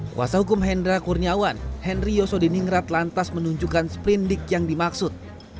kuasa hukum hendra kurniawan henry yosodiningrat lantas menunjukkan sprindik yang dimaksud